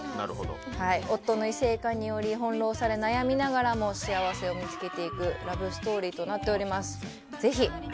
夫の異性化により翻弄され悩みながらも幸せを見つけていくラブストーリーとなっております。